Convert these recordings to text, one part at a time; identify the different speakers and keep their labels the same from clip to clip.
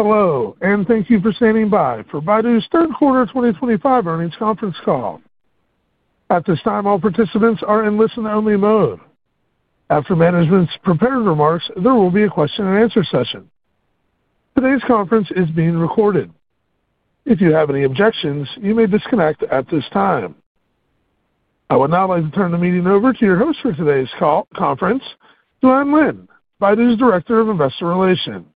Speaker 1: Hello, and thank you for standing by for Baidu's Third Quarter 2025 Earnings Conference Call. At this time, all participants are in listen-only mode. After management's prepared remarks, there will be a question-and-answer session. Today's conference is being recorded. If you have any objections, you may disconnect at this time. I would now like to turn the meeting over to your host for today's conference call, Juan Lin, Baidu's Director of Investor Relations.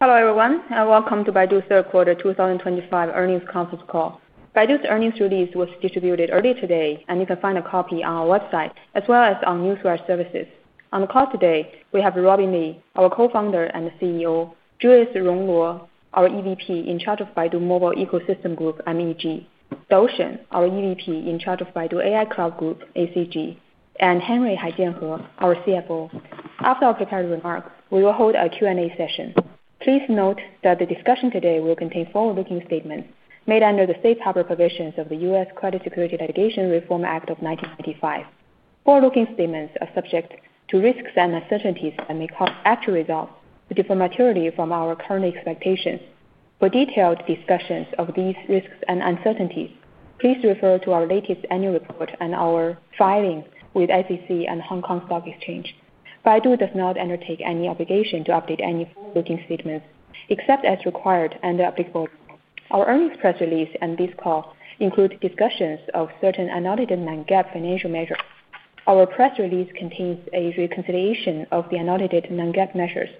Speaker 2: Hello, everyone, and welcome to Baidu's Third Quarter 2025 Earnings Conference Call. Baidu's earnings release was distributed earlier today, and you can find a copy on our website as well as on newswire services. On the call today, we have Robin Li, our Co-founder and CEO; Julius Rong Luo, our EVP in charge of Baidu Mobile Ecosystem Group, MEG; Dou Shen, our EVP in charge of Baidu AI Cloud Group, ACG; and Henry Haijian He, our CFO. After our prepared remarks, we will hold a Q&A session. Please note that the discussion today will contain forward-looking statements made under the safe harbor provisions of the U.S. Credit Security Litigation Reform Act of 1995. Forward-looking statements are subject to risks and uncertainties that may cause actual results to differ materially from our current expectations. For detailed discussions of these risks and uncertainties, please refer to our latest annual report and our filings with SEC and Hong Kong Stock Exchange. Baidu does not undertake any obligation to update any forward-looking statements except as required and applicable. Our earnings press release and this call include discussions of certain unaudited non-GAAP financial measures. Our press release contains a reconciliation of the unaudited non-GAAP measures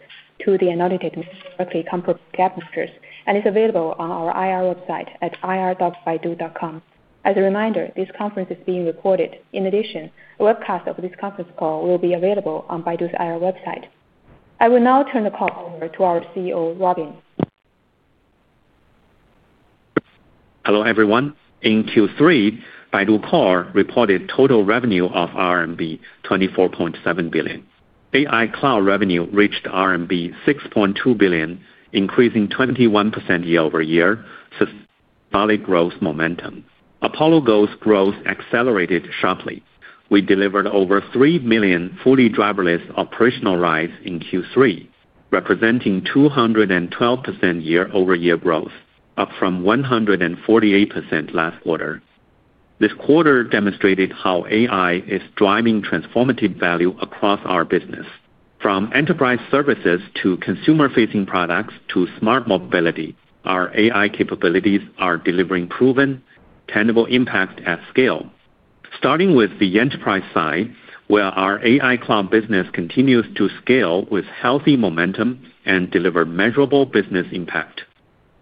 Speaker 2: to the unaudited directly comparable GAAP measures and is available on our IR website at ir.baidu.com. As a reminder, this conference is being recorded. In addition, a webcast of this conference call will be available on Baidu's IR website. I will now turn the call over to our CEO, Robin.
Speaker 3: Hello, everyone. In Q3, Baidu Core reported total revenue of RMB 24.7 billion. AI Cloud revenue reached RMB 6.2 billion, increasing 21% year-over-year, sustaining solid growth momentum. Apollo Go's growth accelerated sharply. We delivered over 3 million fully driverless operational rides in Q3, representing 212% year-over-year growth, up from 148% last quarter. This quarter demonstrated how AI is driving transformative value across our business. From enterprise services to consumer-facing products to smart mobility, our AI capabilities are delivering proven, tangible impact at scale. Starting with the enterprise side, where our AI Cloud business continues to scale with healthy momentum and deliver measurable business impact.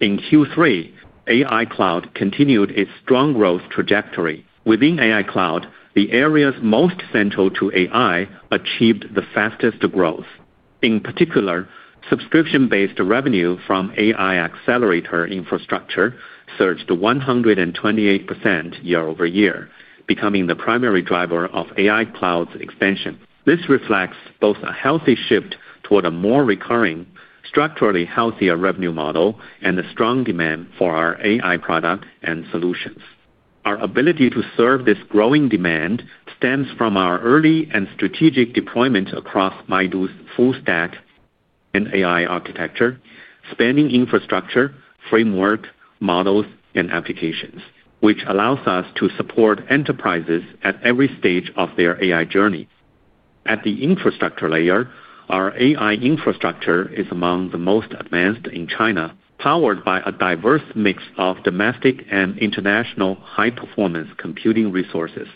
Speaker 3: In Q3, AI Cloud continued its strong growth trajectory. Within AI Cloud, the areas most central to AI achieved the fastest growth. In particular, subscription-based revenue from AI accelerator infrastructure surged 128% year-over-year, becoming the primary driver of AI Cloud's expansion. This reflects both a healthy shift toward a more recurring, structurally healthier revenue model and the strong demand for our AI product and solutions. Our ability to serve this growing demand stems from our early and strategic deployment across Baidu's full-stack AI architecture, spanning infrastructure, framework, models, and applications, which allows us to support enterprises at every stage of their AI journey. At the infrastructure layer, our AI infrastructure is among the most advanced in China, powered by a diverse mix of domestic and international high-performance computing resources,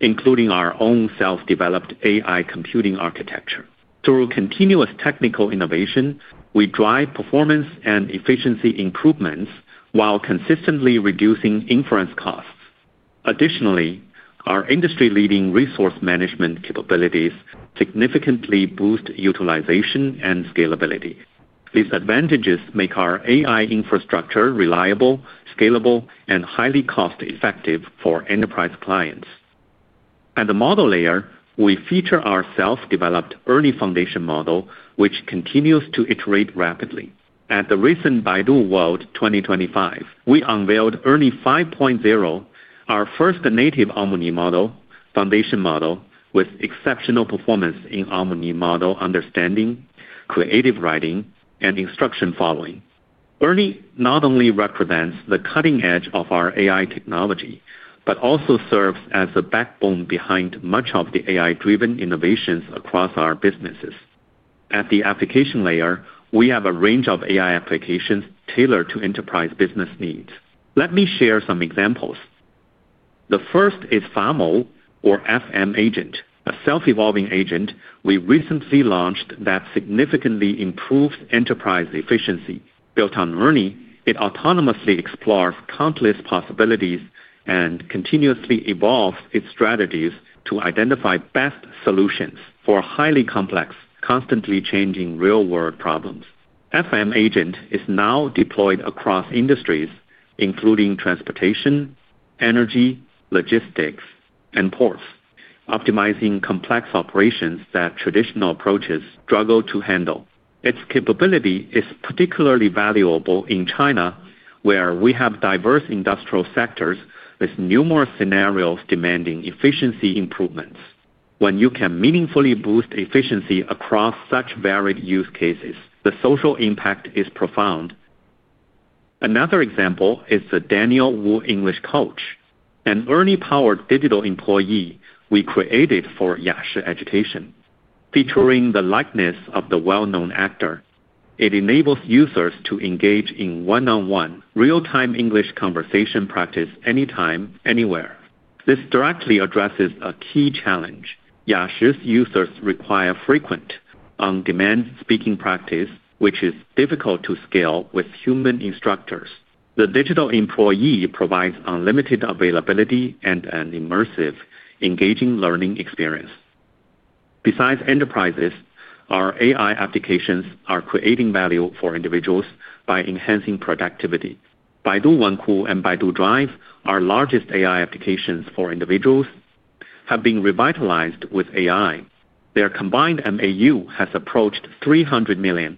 Speaker 3: including our own self-developed AI computing architecture. Through continuous technical innovation, we drive performance and efficiency improvements while consistently reducing inference costs. Additionally, our industry-leading resource management capabilities significantly boost utilization and scalability. These advantages make our AI infrastructure reliable, scalable, and highly cost-effective for enterprise clients. At the model layer, we feature our self-developed ERNIE foundation model, which continues to iterate rapidly. At the recent Baidu World 2024, we unveiled ERNIE 5.0, our first native Omni Foundation model, with exceptional performance in Omni model understanding, creative writing, and instruction following. ERNIE not only represents the cutting edge of our AI technology but also serves as the backbone behind much of the AI-driven innovations across our businesses. At the application layer, we have a range of AI applications tailored to enterprise business needs. Let me share some examples. The first is FM Agent, a self-evolving agent we recently launched that significantly improves enterprise efficiency. Built on learning, it autonomously explores countless possibilities and continuously evolves its strategies to identify best solutions for highly complex, constantly changing real-world problems. FM Agent is now deployed across industries, including transportation, energy, logistics, and ports, optimizing complex operations that traditional approaches struggle to handle. Its capability is particularly valuable in China, where we have diverse industrial sectors with numerous scenarios demanding efficiency improvements. When you can meaningfully boost efficiency across such varied use cases, the social impact is profound. Another example is the Daniel Wu English Coach, an AI-powered digital employee we cated for Yashi Education. Featuring the likeness of the well-known actor, it enables users to engage in one-on-one, real-time English conversation practice anytime, anywhere. This directly addresses a key challenge: Yashi's users require frequent, on-demand speaking practice, which is difficult to scale with human instructors. The digital employee provides unlimited availability and an immersive, engaging learning experience. Besides enterprises, our AI applications are creating value for individuals by enhancing productivity. Baidu Wenku and Baidu Drive, our largest AI applications for individuals, have been revitalized with AI. Their combined MAU has approached 300 million.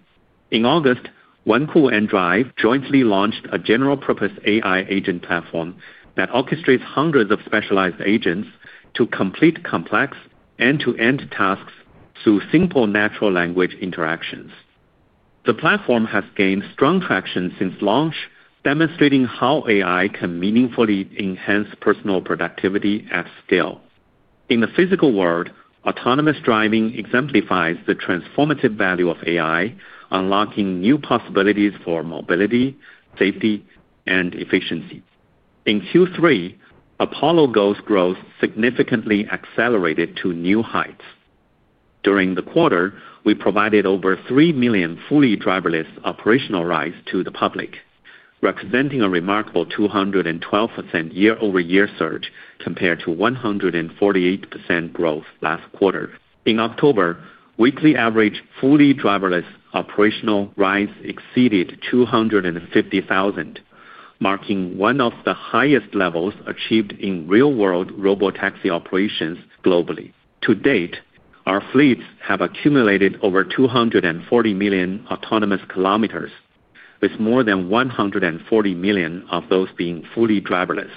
Speaker 3: In August, Wenku and Drive jointly launched a general-purpose AI agent platform that orchestrates hundreds of specialized agents to complete complex end-to-end tasks through simple natural language interactions. The platform has gained strong traction since launch, demonstrating how AI can meaningfully enhance personal productivity at scale. In the physical world, autonomous driving exemplifies the transformative value of AI, unlocking new possibilities for mobility, safety, and efficiency. In Q3, Apollo Go's growth significantly accelerated to new heights. During the quarter, we provided over 3 million fully driverless operational rides to the public, representing a remarkable 212% year-over-year surge compared to 148% growth last quarter. In October, weekly average fully driverless operational rides exceeded 250,000, marking one of the highest levels achieved in real-world robotaxi operations globally. To date, our fleets have accumulated over 240 million autonomous kilometers, with more than 140 million of those being fully driverless,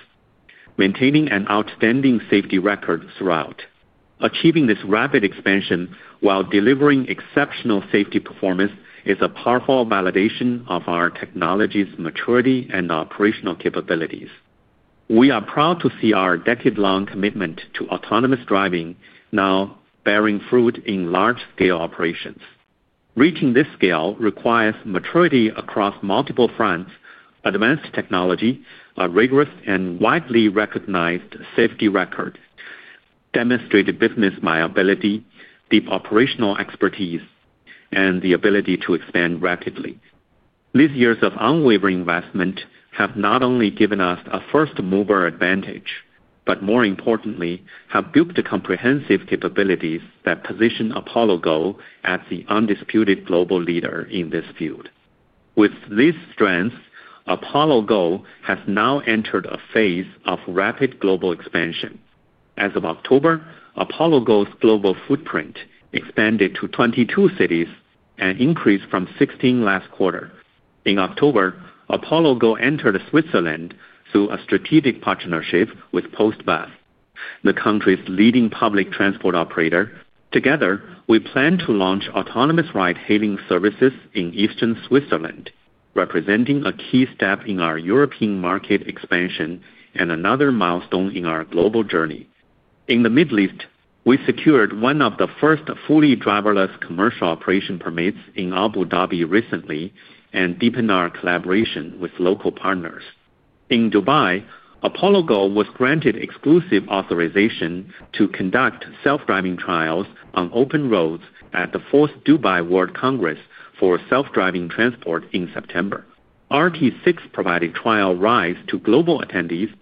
Speaker 3: maintaining an outstanding safety record throughout. Achieving this rapid expansion while delivering exceptional safety performance is a powerful validation of our technology's maturity and operational capabilities. We are proud to see our decade-long commitment to autonomous driving now bearing fruit in large-scale operations. Reaching this scale requires maturity across multiple fronts: advanced technology, a rigorous and widely recognized safety record, demonstrated business viability, deep operational expertise, and the ability to expand rapidly. These years of unwavering investment have not only given us a first-mover advantage but, more importantly, have built the comprehensive capabilities that position Apollo Go as the undisputed global leader in this field. With these strengths, Apollo Go has now entered a phase of rapid global expansion. As of October, Apollo Go's global footprint expanded to 22 cities and increased from 16 last quarter. In October, Apollo Go entered Switzerland through a strategic partnership with Postbus, the country's leading public transport operator. Together, we plan to launch autonomous ride-hailing services in eastern Switzerland, representing a key step in our European market expansion and another milestone in our global journey. In the Middle East, we secured one of the first fully driverless commercial operation permits in Abu Dhabi recently and deepened our collaboration with local partners. In Dubai, Apollo Go was granted exclusive authorization to conduct self-driving trials on open roads at the fourth Dubai World Congress for self-driving transport in September. RT6 provided trial rides to global attendees,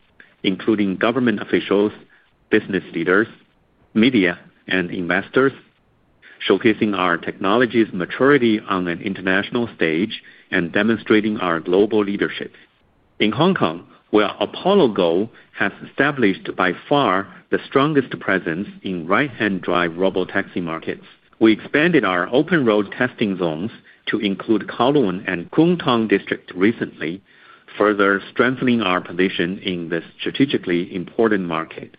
Speaker 3: including government officials, business leaders, media, and investors, showcasing our technology's maturity on an international stage and demonstrating our global leadership. In Hong Kong, where Apollo Go has established by far the strongest presence in right-hand drive robotaxi markets, we expanded our open road testing zones to include Kowloon and Kwun Tong District recently, further strengthening our position in this strategically important market.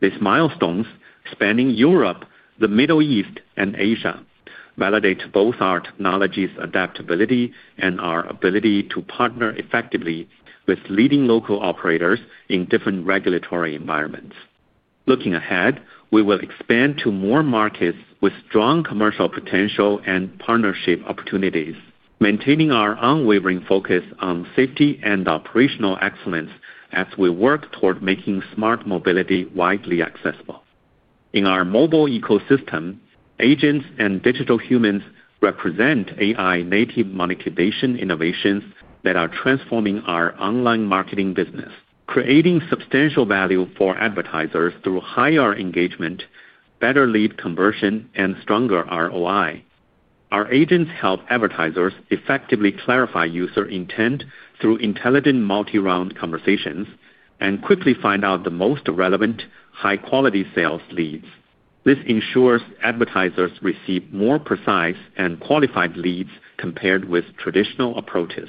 Speaker 3: These milestones, spanning Europe, the Middle East, and Asia, validate both our technology's adaptability and our ability to partner effectively with leading local operators in different regulatory environments. Looking ahead, we will expand to more markets with strong commercial potential and partnership opportunities, maintaining our unwavering focus on safety and operational excellence as we work toward making smart mobility widely accessible. In our mobile ecosystem, agents and digital humans represent AI-native monetization innovations that are transforming our online marketing business, creating substantial value for advertisers through higher engagement, better lead conversion, and stronger ROI. Our agents help advertisers effectively clarify user intent through intelligent multi-round conversations and quickly find out the most relevant, high-quality sales leads. This ensures advertisers receive more precise and qualified leads compared with traditional approaches.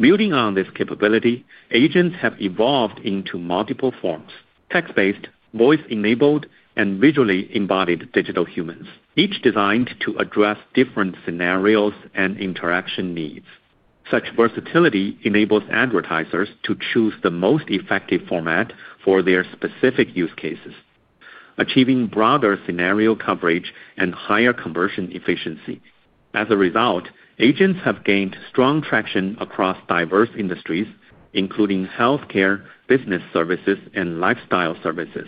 Speaker 3: Building on this capability, agents have evolved into multiple forms: text-based, voice-enabled, and visually embodied digital humans, each designed to address different scenarios and interaction needs. Such versatility enables advertisers to choose the most effective format for their specific use cases, achieving broader scenario coverage and higher conversion efficiency. As a result, agents have gained strong traction across diverse industries, including healthcare, business services, and lifestyle services.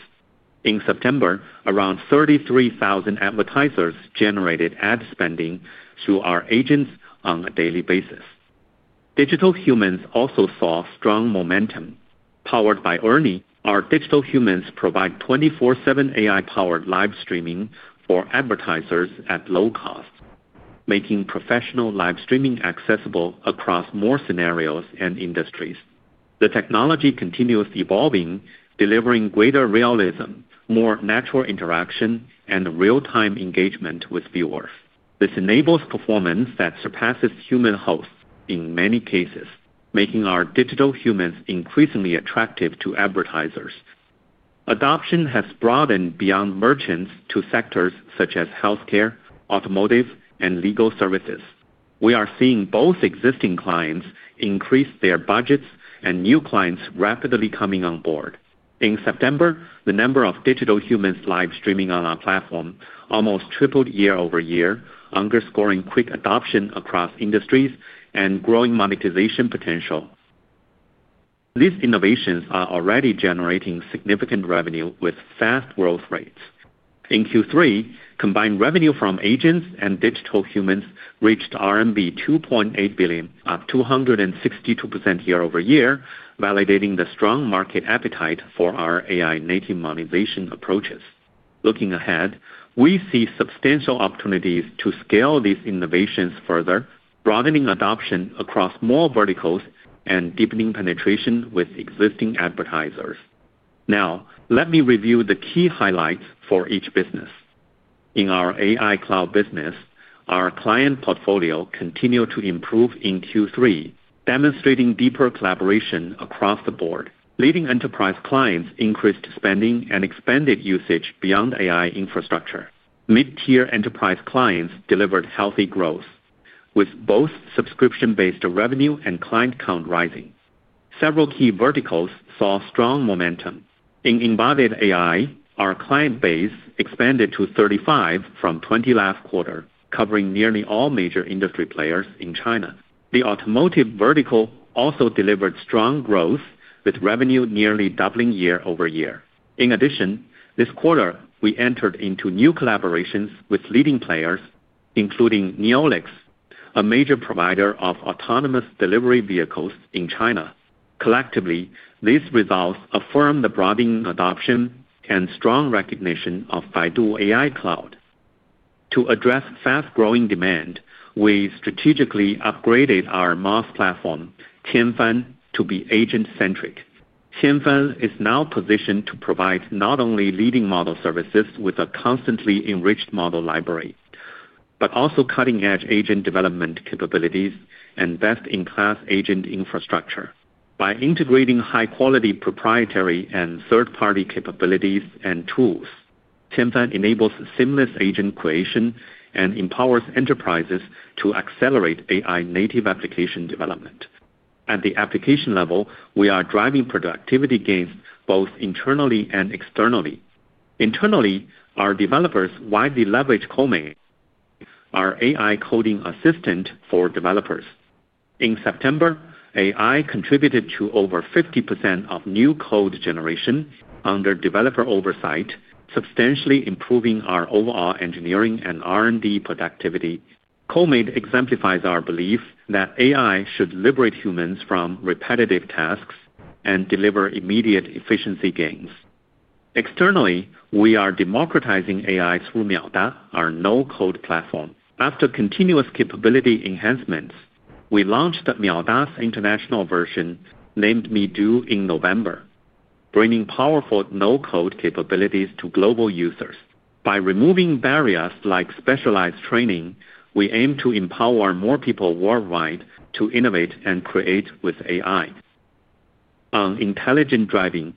Speaker 3: In September, around 33,000 advertisers generated ad spending through our agents on a daily basis. Digital humans also saw strong momentum. Powered by ERNIE, our digital humans provide 24/7 AI-powered live streaming for advertisers at low cost, making professional live streaming accessible across more scenarios and industries. The technology continues evolving, delivering greater realism, more natural interaction, and real-time engagement with viewers. This enables performance that surpasses human hosts in many cases, making our digital humans increasingly attractive to advertisers. Adoption has broadened beyond merchants to sectors such as healthcare, automotive, and legal services. We are seeing both existing clients increase their budgets and new clients rapidly coming on board. In September, the number of digital humans live streaming on our platform almost tripled year-over-year, underscoring quick adoption across industries and growing monetization potential. These innovations are already generating significant revenue with fast growth rates. In Q3, combined revenue from agents and digital humans reached RMB 2.8 billion, up 262% year-over-year, validating the strong market appetite for our AI-native monetization approaches. Looking ahead, we see substantial opportunities to scale these innovations further, broadening adoption across more verticals and deepening penetration with existing advertisers. Now, let me review the key highlights for each business. In our AI Cloud business, our client portfolio continued to improve in Q3, demonstrating deeper collaboration across the board. Leading enterprise clients increased spending and expanded usage beyond AI infrastructure. Mid-tier enterprise clients delivered healthy growth, with both subscription-based revenue and client count rising. Several key verticals saw strong momentum. In embodied AI, our client base expanded to 35 from 20 last quarter, covering nearly all major industry players in China. The automotive vertical also delivered strong growth, with revenue nearly doubling year-over-year. In addition, this quarter, we entered into new collaborations with leading players, including Neolix, a major provider of autonomous delivery vehicles in China. Collectively, these results affirm the broadening adoption and strong recognition of Baidu AI Cloud. To address fast-growing demand, we strategically upgraded our MOS platform, Tianfeng, to be agent-centric. Tianfeng is now positioned to provide not only leading model services with a constantly enriched model library, but also cutting-edge agent development capabilities and best-in-class agent infrastructure. By integrating high-quality proprietary and third-party capabilities and tools, Tianfeng enables seamless agent creation and empowers enterprises to accelerate AI-native application development. At the application level, we are driving productivity gains both internally and externally. Internally, our developers widely leverage Coleman, our AI coding assistant for developers. In September, AI contributed to over 50% of new code generation under developer oversight, substantially improving our overall engineering and R&D productivity. Coleman exemplifies our belief that AI should liberate humans from repetitive tasks and deliver immediate efficiency gains. Externally, we are democratizing AI through MiaoDa, our no-code platform. After continuous capability enhancements, we launched MiaoDa's international version named MeDo in November, bringing powerful no-code capabilities to global users. By removing barriers like specialized training, we aim to empower more people worldwide to innovate and create with AI. On intelligent driving,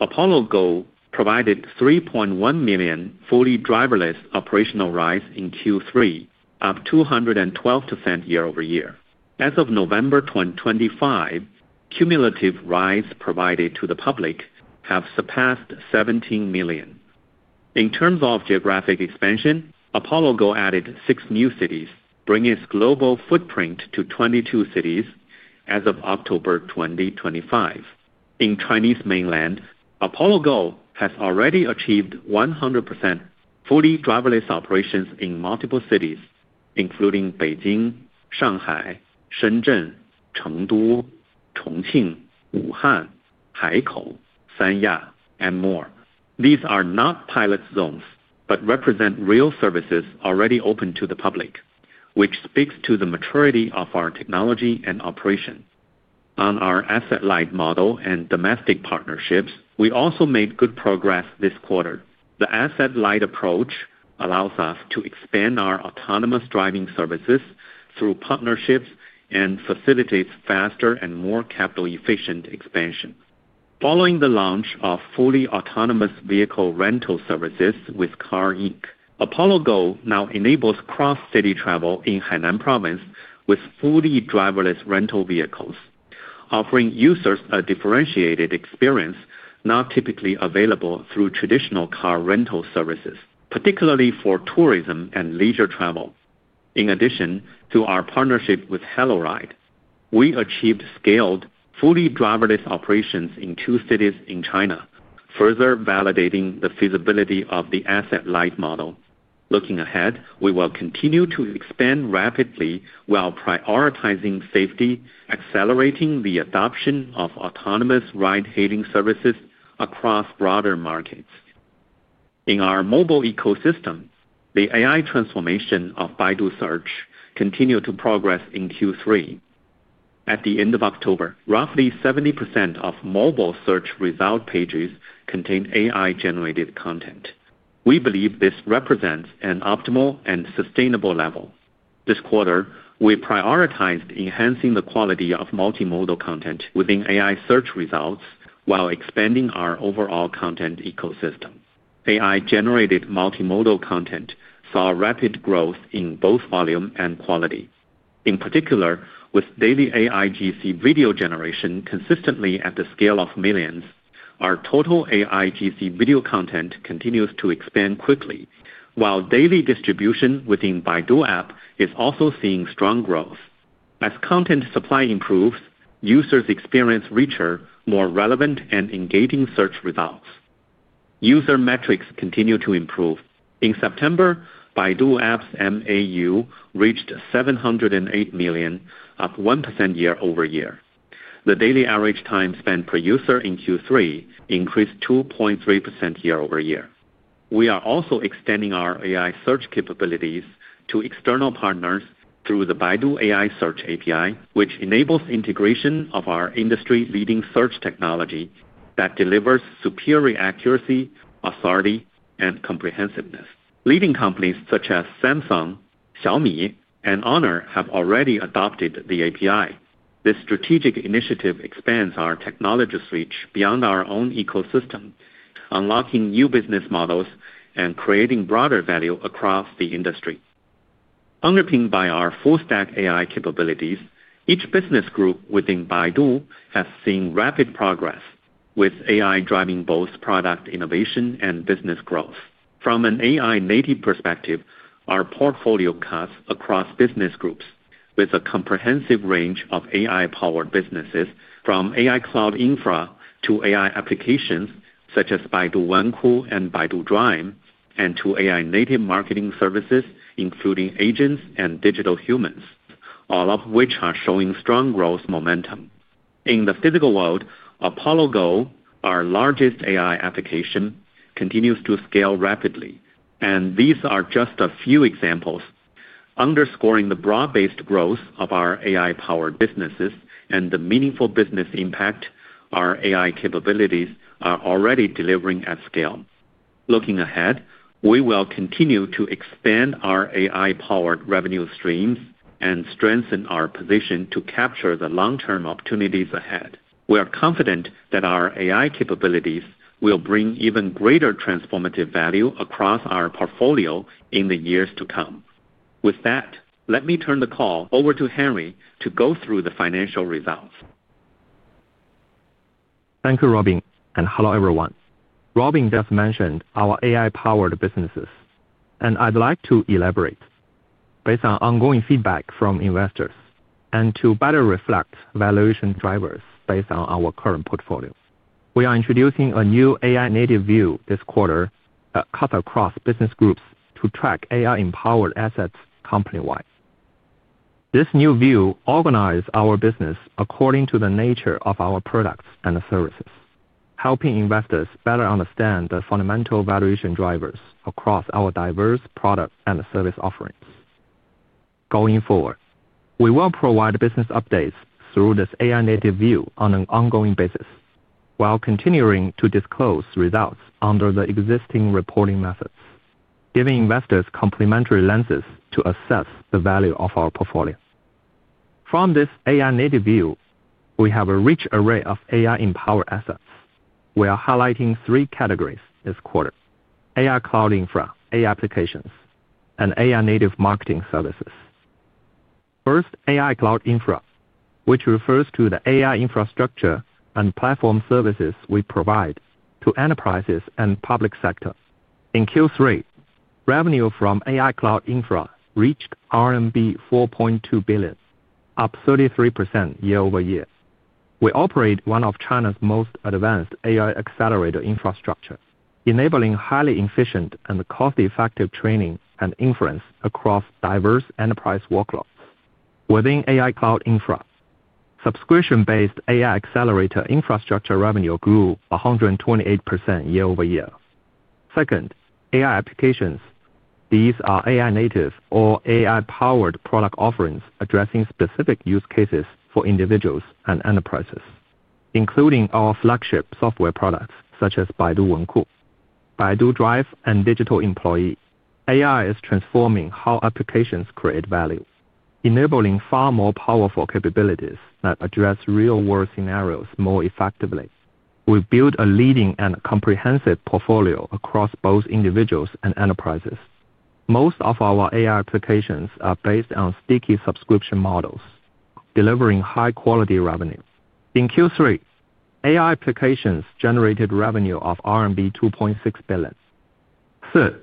Speaker 3: Apollo Go provided 3.1 million fully driverless operational rides in Q3, up 212% year-over-year. As of November 2025, cumulative rides provided to the public have surpassed 17 million. In terms of geographic expansion, Apollo Go added six new cities, bringing its global footprint to 22 cities as of October 2025. In Chinese mainland, Apollo Go has already achieved 100% fully driverless operations in multiple cities, including Beijing, Shanghai, Shenzhen, Chengdu, Chongqing, Wuhan, Haikou, Sanya, and more. These are not pilot zones but represent real services already open to the public, which speaks to the maturity of our technology and operation. On our asset-light model and domestic partnerships, we also made good progress this quarter. The asset-light approach allows us to expand our autonomous driving services through partnerships and facilitates faster and more capital-efficient expansion. Following the launch of fully autonomous vehicle rental services with Car Inc, Apollo Go now enables cross-city travel in Hainan Province with fully driverless rental vehicles, offering users a differentiated experience not typically available through traditional car rental services, particularly for tourism and leisure travel. In addition to our partnership with HelloRide, we achieved scaled fully driverless operations in two cities in China, further validating the feasibility of the asset-light model. Looking ahead, we will continue to expand rapidly while prioritizing safety, accelerating the adoption of autonomous ride-hailing services across broader markets. In our mobile ecosystem, the AI transformation of Baidu Search continued to progress in Q3. At the end of October, roughly 70% of mobile search result pages contained AI-generated content. We believe this represents an optimal and sustainable level. This quarter, we prioritized enhancing the quality of multimodal content within AI search results while expanding our overall content ecosystem. AI-generated multimodal content saw rapid growth in both volume and quality. In particular, with daily AIGC video generation consistently at the scale of millions. Our total AIGC video content continues to expand quickly, while daily distribution within Baidu App is also seeing strong growth. As content supply improves, users experience richer, more relevant, and engaging search results. User metrics continue to improve. In September, Baidu App's MAU reached 708 million, up 1% year-over-year. The daily average time spent per user in Q3 increased 2.3% year-over-year. We are also extending our AI search capabilities to external partners through the Baidu AI Search API, which enables integration of our industry-leading search technology that delivers superior accuracy, authority, and comprehensiveness. Leading companies such as Samsung, Xiaomi, and Honor have already adopted the API. This strategic initiative expands our technology reach beyond our own ecosystem, unlocking new business models and creating broader value across the industry. Underpinned by our full-stack AI capabilities, each business group within Baidu has seen rapid progress, with AI driving both product innovation and business growth. From an AI-native perspective, our portfolio cuts across business groups with a comprehensive range of AI-powered businesses, from AI Cloud infra to AI applications such as Baidu Wenku and Baidu Drive, and to AI-native marketing services, including agents and digital humans, all of which are showing strong growth momentum. In the physical world, Apollo Go, our largest AI application, continues to scale rapidly, and these are just a few examples. Underscoring the broad-based growth of our AI-powered businesses and the meaningful business impact our AI capabilities are already delivering at scale. Looking ahead, we will continue to expand our AI-powered revenue streams and strengthen our position to capture the long-term opportunities ahead. We are confident that our AI capabilities will bring even greater transformative value across our portfolio in the years to come. With that, let me turn the call over to Henry to go through the financial results. Thank you, Robin, and hello everyone. Robin just mentioned our AI-powered businesses, and I'd like to elaborate. Based on ongoing feedback from investors and to better reflect valuation drivers based on our current portfolio, we are introducing a new AI-native view this quarter that cuts across business groups to track AI-empowered assets company-wide. This new view organizes our business according to the nature of our products and services, helping investors better understand the fundamental valuation drivers across our diverse product and service offerings. Going forward, we will provide business updates through this AI-native view on an ongoing basis while continuing to disclose results under the existing reporting methods, giving investors complementary lenses to assess the value of our portfolio. From this AI-native view, we have a rich array of AI-empowered assets. We are highlighting three categories this quarter: AI Cloud infra, AI applications, and AI-native marketing services. First, AI Cloud infra, which refers to the AI infrastructure and platform services we provide to enterprises and public sector. In Q3, revenue from AI Cloud infra reached RMB 4.2 billion, up 33% year-over-year. We operate one of China's most advanced AI accelerator infrastructure, enabling highly efficient and cost-effective training and inference across diverse enterprise workloads. Within AI Cloud infra, subscription-based AI accelerator infrastructure revenue grew 128% year-over-year. Second, AI applications. These are AI-native or AI-powered product offerings addressing specific use cases for individuals and enterprises, including our flagship software products such as Baidu Wenku, Baidu Drive, and Digital Employee. AI is transforming how applications create value, enabling far more powerful capabilities that address real-world scenarios more effectively. We build a leading and comprehensive portfolio across both individuals and enterprises. Most of our AI applications are based on sticky subscription models, delivering high-quality revenue. In Q3, AI applications generated revenue of RMB 2.6 billion. Third,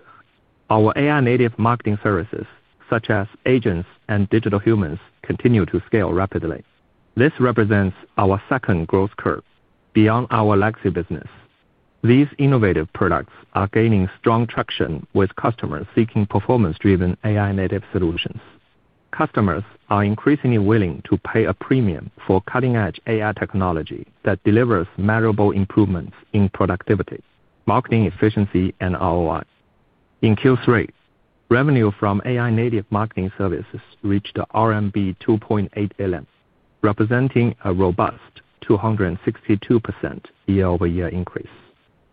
Speaker 3: our AI-native marketing services such as agents and digital humans continue to scale rapidly. This represents our second growth curve beyond our legacy business. These innovative products are gaining strong traction with customers seeking performance-driven AI-native solutions. Customers are increasingly willing to pay a premium for cutting-edge AI technology that delivers measurable improvements in productivity, marketing efficiency, and ROI. In Q3, revenue from AI-native marketing services reached RMB 2.8 billion, representing a robust 262% year-over-year increase,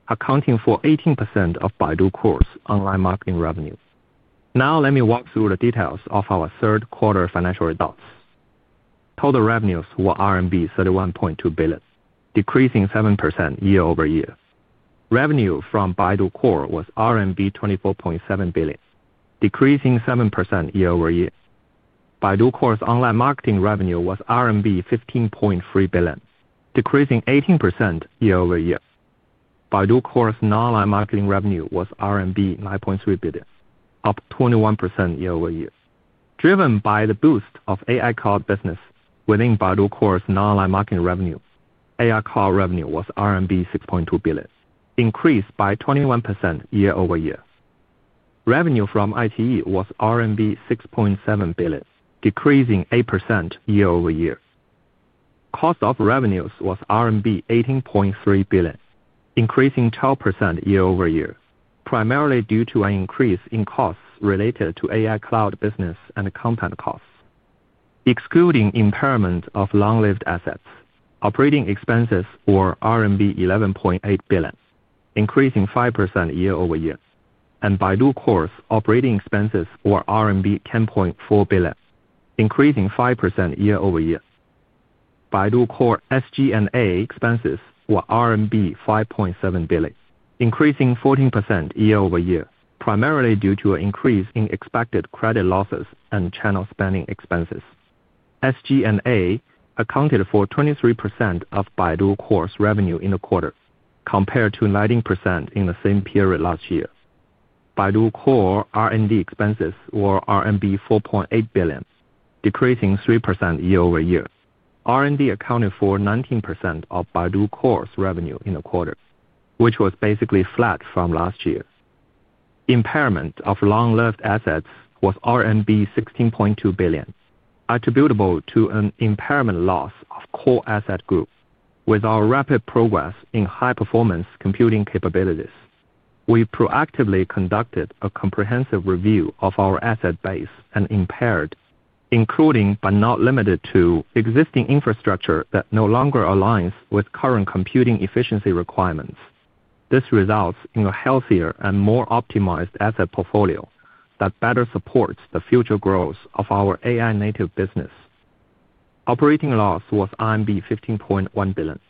Speaker 3: accounting for 18% of Baidu Core's online marketing revenue. Now, let me walk through the details of our third quarter financial results. Total revenues were RMB 31.2 billion, decreasing 7% year-over-year. Revenue from Baidu Core was RMB 24.7 billion, decreasing 7% year-over-year. Baidu Core's online marketing revenue was RMB 15.3 billion, decreasing 18% year-over-year. Baidu Core's nonline marketing revenue was RMB 9.3 billion, up 21% year-over-year. Driven by the boost of AI Cloud business, within Baidu Core's nonline marketing revenue, AI Cloud revenue was RMB 6.2 billion, increased by 21% year-over-year. Revenue from ITE was RMB 6.7 billion, decreasing 8% year-over-year. Cost of revenues was RMB 18.3 billion, increasing 12% year-over-year, primarily due to an increase in costs related to AI Cloud business and content costs. Excluding impairment of long-lived assets, operating expenses were RMB 11.8 billion, increasing 5% year-over-year. Baidu Core's operating expenses were RMB 10.4 billion, increasing 5% year-over-year. Baidu Core's SG&A expenses were RMB 5.7 billion, increasing 14% year-over-year, primarily due to an increase in expected credit losses and channel spending expenses. SG&A accounted for 23% of Baidu Core's revenue in the quarter, compared to 19% in the same period last year. Baidu Core's R&D expenses were RMB 4.8 billion, decreasing 3% year-over-year. R&D accounted for 19% of Baidu Core's revenue in the quarter, which was basically flat from last year. Impairment of long-lived assets was RMB 16.2 billion, attributable to an impairment loss of core asset group. With our rapid progress in high-performance computing capabilities, we proactively conducted a comprehensive review of our asset base and impaired, including but not limited to, existing infrastructure that no longer aligns with current computing efficiency requirements. This results in a healthier and more optimized asset portfolio that better supports the future growth of our AI-native business. Operating loss was RMB 15.1 billion.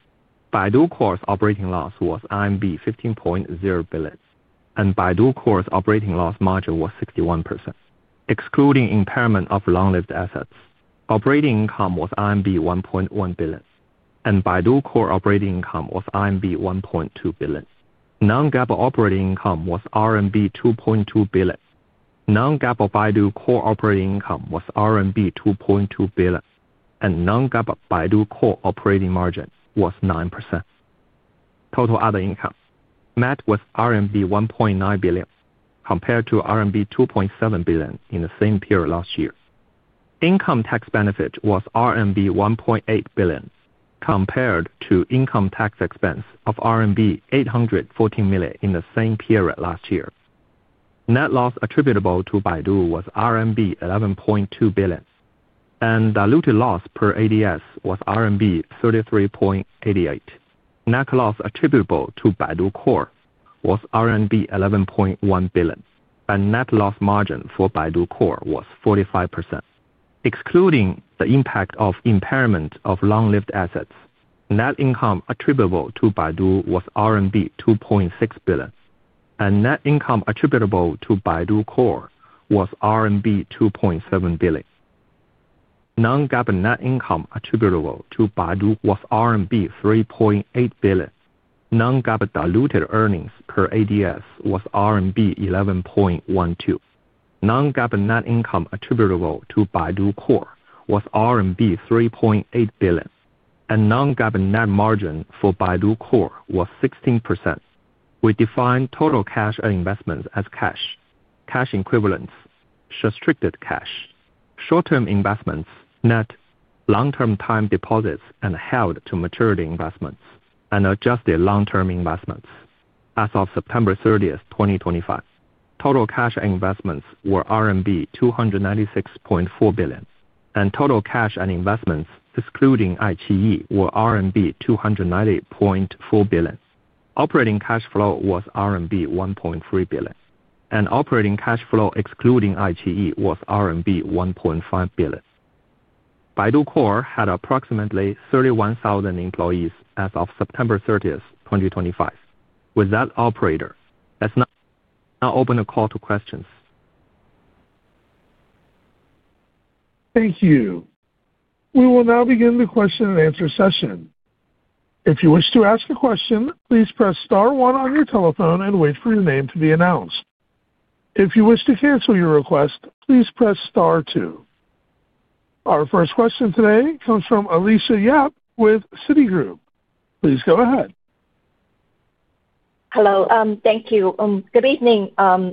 Speaker 3: Baidu Core's operating loss was RMB 15.0 billion, and Baidu Core's operating loss margin was 61%. Excluding impairment of long-lived assets, operating income was RMB 1.1 billion, and Baidu Core operating income was RMB 1.2 billion. Non-GAAP operating income was RMB 2.2 billion. Non-GAAP Baidu Core operating income was RMB 2.2 billion, and Non-GAAP Baidu Core operating margin was 9%. Total other income met with RMB 1.9 billion, compared to RMB 2.7 billion in the same period last year. Income tax benefit was RMB 1.8 billion, compared to income tax expense of RMB 814 million in the same period last year. Net loss attributable to Baidu was RMB 11.2 billion, and diluted loss per ADS was RMB 33.88. Net loss attributable to Baidu Core was RMB 11.1 billion, and net loss margin for Baidu Core was 45%. Excluding the impact of impairment of long-lived assets, net income attributable to Baidu was RMB 2.6 billion, and net income attributable to Baidu Core was RMB 2.7 billion. Non-GAAP net income attributable to Baidu was RMB 3.8 billion. Non-GAAP diluted earnings per ADS was RMB 11.12. Non-GAAP net income attributable to Baidu Core was RMB 3.8 billion, and Non-GAAP net margin for Baidu Core was 16%. We define total cash and investments as cash, cash equivalents, restricted cash, short-term investments, net, long-term time deposits and held to maturity investments, and adjusted long-term investments. As of September 30th, 2025, total cash and investments were RMB 296.4 billion, and total cash and investments excluding ITE were RMB 290.4 billion. Operating cash flow was RMB 1.3 billion, and operating cash flow excluding ITE was RMB 1.5 billion. Baidu Core had approximately 31,000 employees as of September 30th, 2025. With that, operator, let's now open the call to questions.
Speaker 1: Thank you. We will now begin the question-and-answer session. If you wish to ask a question, please press star one on your telephone and wait for your name to be announced. If you wish to cancel your request, please press star two. Our first question today comes from Alicia Yap with Citigroup. Please go ahead.
Speaker 4: Hello. Thank you. Good evening,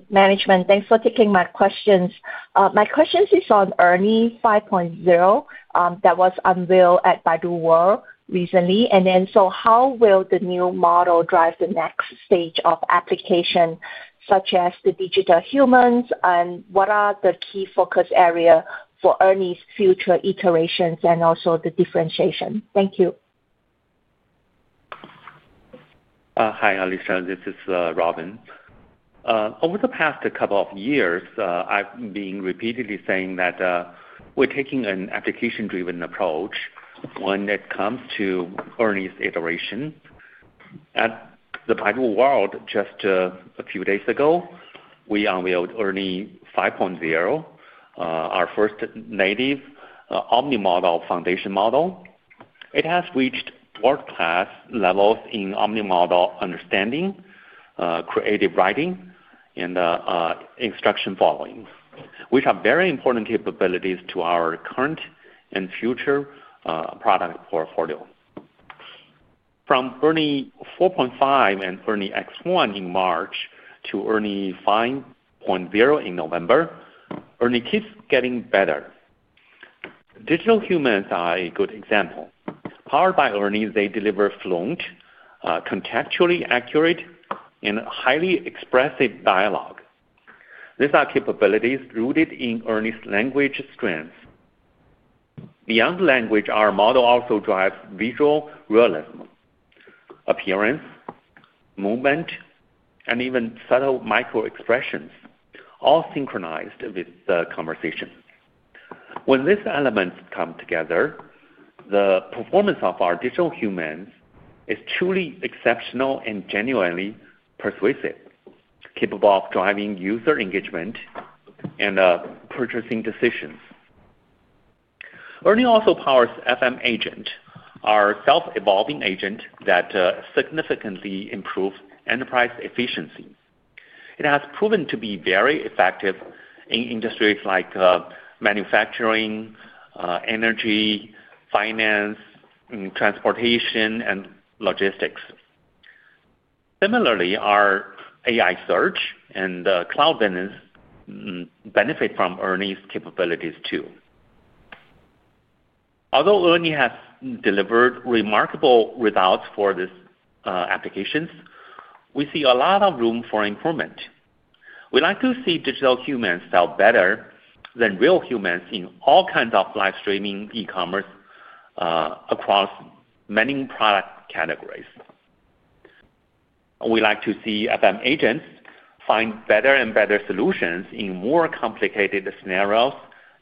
Speaker 4: management. Thanks for taking my questions. My question is on ERNIE 5.0 that was unveiled at Baidu World recently. How will the new model drive the next stage of application such as the digital humans, and what are the key focus areas for ERNIE's future iterations and also the differentiation? Thank you.
Speaker 3: Hi, Alisa. This is Robin. Over the past couple of years, I've been repeatedly saying that we're taking an application-driven approach when it comes to ERNIE's iteration. At the Baidu World, just a few days ago, we unveiled ERNIE 5.0, our first native omni-model foundation model. It has reached world-class levels in omni-model understanding, creative writing, and instruction following, which are very important capabilities to our current and future product portfolio. From ERNIE 4.5 and ERNIE X1 in March to ERNIE 5.0 in November, ERNIE keeps getting better. Digital humans are a good example. Powered by ERNIE, they deliver fluent, contextually accurate, and highly expressive dialogue. These are capabilities rooted in ERNIE's language strengths. Beyond language, our model also drives visual realism, appearance, movement, and even subtle micro-expressions, all synchronized with the conversation. When these elements come together, the performance of our digital humans is truly exceptional and genuinely persuasive, capable of driving user engagement and purchasing decisions. ERNIE also powers FM Agent, our self-evolving agent that significantly improves enterprise efficiency. It has proven to be very effective in industries like manufacturing, energy, finance, transportation, and logistics. Similarly, our AI search and cloud vendors benefit from ERNIE's capabilities too. Although ERNIE has delivered remarkable results for these applications, we see a lot of room for improvement. We like to see digital humans sell better than real humans in all kinds of live streaming e-commerce across many product categories. We like to see FM Agents find better and better solutions in more complicated scenarios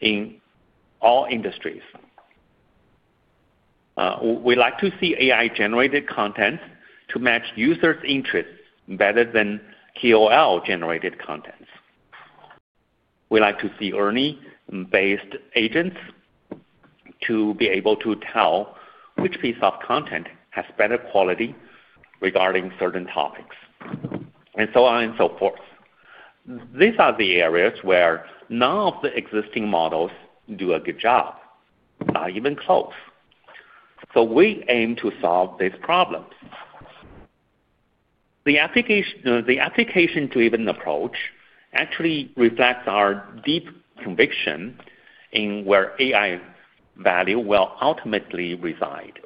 Speaker 3: in all industries. We like to see AI-generated content to match users' interests better than KOL-generated content. We like to see ERNIE-based agents to be able to tell which piece of content has better quality regarding certain topics, and so on and so forth. These are the areas where none of the existing models do a good job, not even close. We aim to solve these problems. The application-driven approach actually reflects our deep conviction in where AI value will ultimately reside.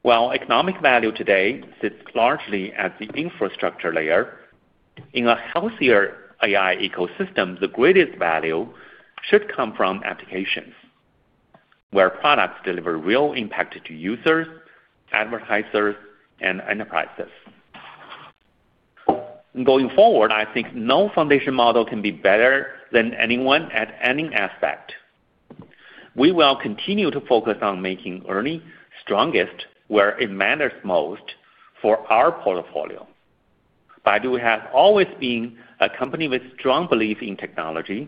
Speaker 3: While economic value today sits largely at the infrastructure layer, in a healthier AI ecosystem, the greatest value should come from applications where products deliver real impact to users, advertisers, and enterprises. Going forward, I think no foundation model can be better than anyone at any aspect. We will continue to focus on making ERNIE strongest where it matters most for our portfolio. Baidu has always been a company with strong belief in technology,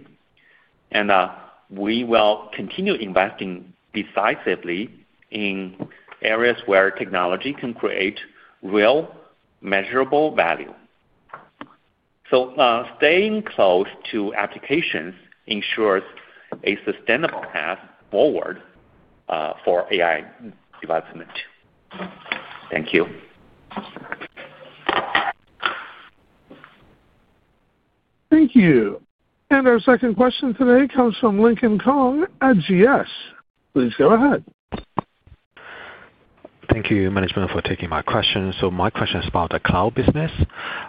Speaker 3: and we will continue investing decisively in areas where technology can create real measurable value. Staying close to applications ensures a sustainable path forward for AI development. Thank you.
Speaker 1: Thank you. Our second question today comes from Lincoln Kong at GS. Please go ahead.
Speaker 5: Thank you, management, for taking my question. My question is about the cloud business.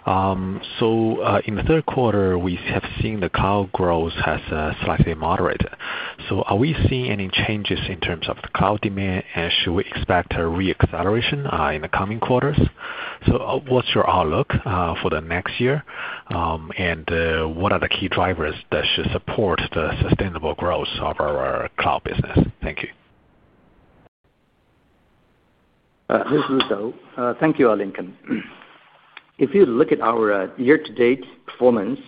Speaker 5: In the third quarter, we have seen the cloud growth has slightly moderated. Are we seeing any changes in terms of the cloud demand, and should we expect a re-acceleration in the coming quarters? What is your outlook for the next year, and what are the key drivers that should support the sustainable growth of our cloud business? Thank you.
Speaker 6: This is Zhou. Thank you, Lincoln. If you look at our year-to-date performance,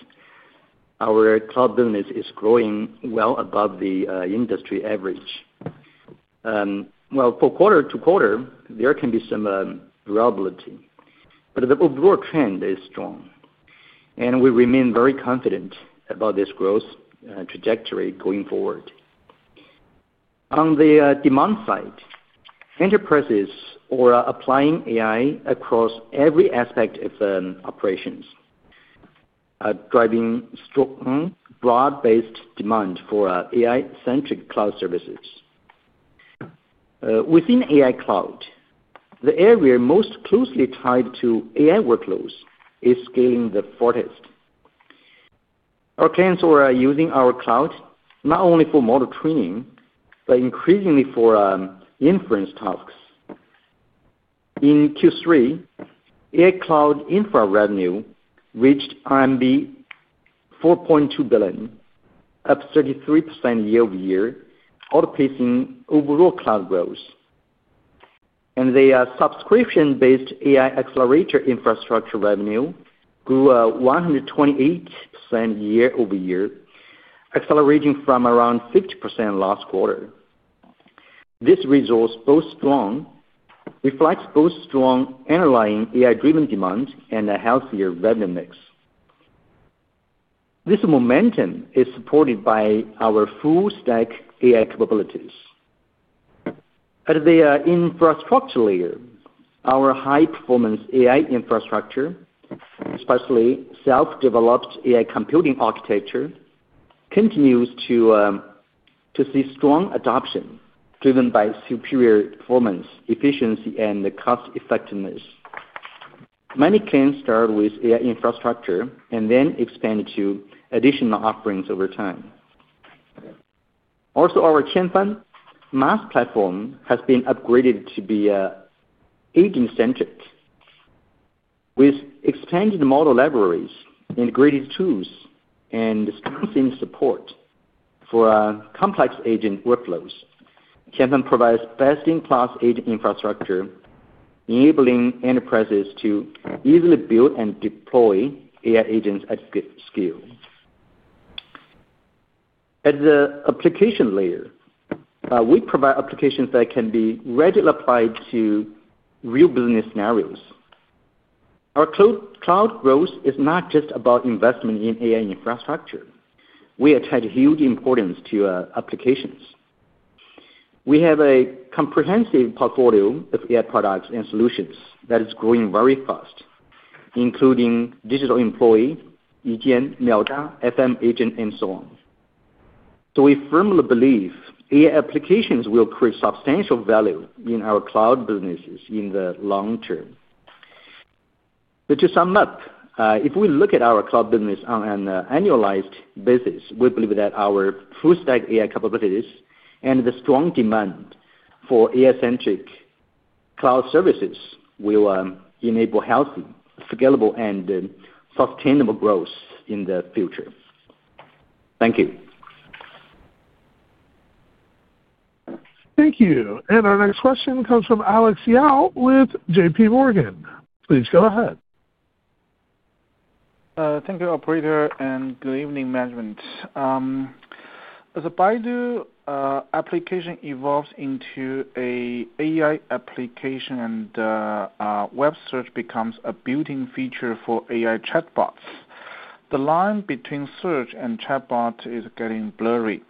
Speaker 6: our cloud business is growing well above the industry average. For quarter to quarter, there can be some variability, but the overall trend is strong, and we remain very confident about this growth trajectory going forward. On the demand side, enterprises are applying AI across every aspect of operations, driving strong, broad-based demand for AI-centric cloud services. Within AI Cloud, the area most closely tied to AI workloads is scaling the forecast. Our clients are using our cloud not only for model training, but increasingly for inference tasks. In Q3, AI Cloud infra revenue reached RMB 4.2 billion, up 33% year-over-year, outpacing overall cloud growth. The subscription-based AI accelerator infrastructure revenue grew 128% year-over-year, accelerating from around 50% last quarter. This result is both strong, reflects both strong underlying AI-driven demand and a healthier revenue mix. This momentum is supported by our full-stack AI capabilities. At the infrastructure layer, our high-performance AI infrastructure, especially self-developed AI computing architecture, continues to see strong adoption driven by superior performance, efficiency, and cost-effectiveness. Many clients start with AI infrastructure and then expand to additional offerings over time. Also, our Qianfan MAS platform has been upgraded to be agent-centric, with expanded model libraries, integrated tools, and strengthened support for complex agent workflows. Qianfan provides best-in-class agent infrastructure, enabling enterprises to easily build and deploy AI agents at scale. At the application layer, we provide applications that can be readily applied to real business scenarios. Our cloud growth is not just about investment in AI infrastructure. We attach huge importance to applications. We have a comprehensive portfolio of AI products and solutions that is growing very fast, including digital employee, EDN, MiaoDa, FM Agent, and so on. We firmly believe AI applications will create substantial value in our cloud businesses in the long term. To sum up, if we look at our cloud business on an annualized basis, we believe that our full-stack AI capabilities and the strong demand for AI-centric cloud services will enable healthy, scalable, and sustainable growth in the future. Thank you.
Speaker 1: Thank you. Our next question comes from Alex Yau with JP Morgan. Please go ahead.
Speaker 7: Thank you, operator, and good evening, management. As Baidu App evolves into an AI application and web search becomes a building feature for AI chatbots, the line between search and chatbot is getting blurry.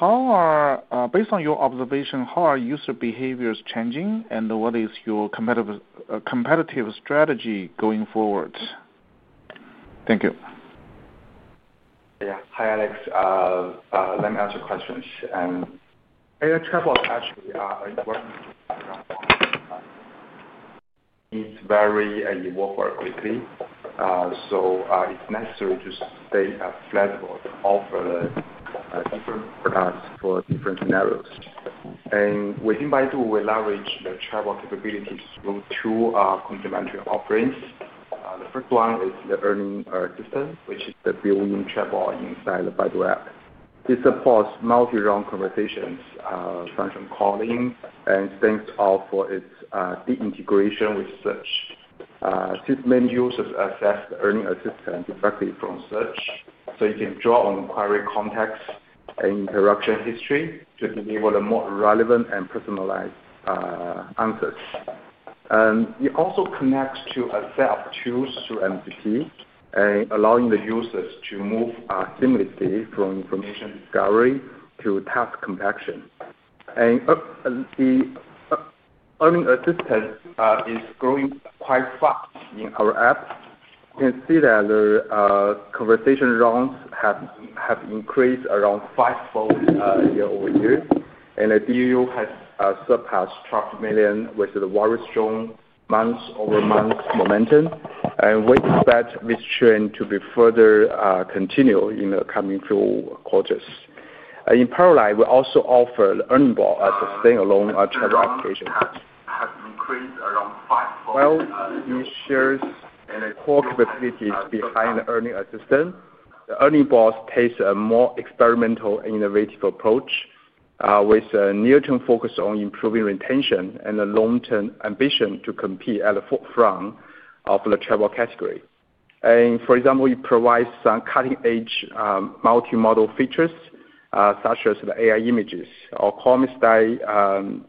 Speaker 7: Based on your observation, how are user behaviors changing, and what is your competitive strategy going forward?
Speaker 6: Thank you. Yeah. Hi, Alex. Let me answer questions. AI chatbots actually are working background. It is very evolved quickly, so it is necessary to stay flexible to offer different products for different scenarios. Within Baidu, we leverage the chatbot capabilities through two complementary offerings. The first one is the ERNIE Assistant, which is the built-in chatbot inside the Baidu App. It supports multi-round conversations, transcript calling, and thanks also for its deep integration with search. Since many users access the ERNIE Assistant directly from search, you can draw on query context and interaction history to deliver more relevant and personalized answers. It also connects to a set of tools through MCP, allowing the users to move seamlessly from information discovery to task compaction. The Earning Assistant is growing quite fast in our app. You can see that the conversation rounds have increased around five-fold year-over-year, and the DAU has surpassed 12 million with very strong month-over-month momentum. We expect this trend to be further continued in the coming few quarters. In parallel, we also offer ERNIE Bots as a standalone chatbot application. It has increased around five-fold. It shares core capabilities behind the ERNIE Assistant. ERNIE Bots takes a more experimental and innovative approach with a near-term focus on improving retention and a long-term ambition to compete at the forefront of the chatbot category. For example, it provides some cutting-edge multimodal features such as AI images or column-style